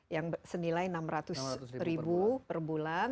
yang senilai rp enam ratus ribu per bulan